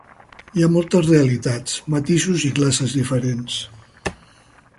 Hi ha moltes realitats, matisos i classes diferents.